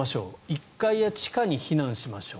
１階や地下に避難しましょう。